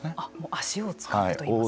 足を使ってといいますか。